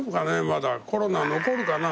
まだコロナ残るかな？